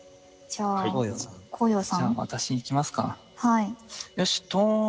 じゃあ私いきますか。